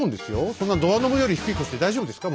そんなドアノブより低い腰で大丈夫ですか？